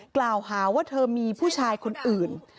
กล่าวหาว่าเธอมีผู้ชายคนอื่น